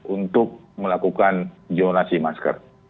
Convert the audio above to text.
untuk melakukan jonasi masker